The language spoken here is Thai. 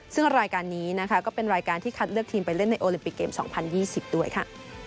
ซึ่งรายการนี้นะคะก็เป็นรายการที่คัดเลือกทีมไปเล่นในโอลิมปิกเกม๒๐๒๐ด้วยค่ะ